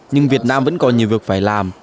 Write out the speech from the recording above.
nhưng việt nam vẫn còn nhiều việc phải làm